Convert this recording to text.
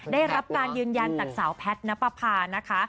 ได้รับการยืนยันดักสาวแพ็ทปาภานะคะ